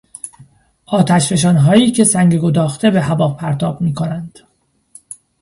آتشفشانهایی که سنگ گداخته به هوا پرتاب میکنند